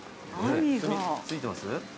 炭ついてます？